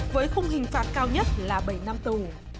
với khung hình phạt cao nhất là bảy năm tù